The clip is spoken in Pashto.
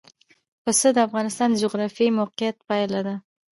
پسه د افغانستان د جغرافیایي موقیعت پایله ده.